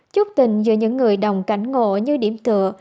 chúc tình giữa những người đồng cảnh ngộ như điểm tựa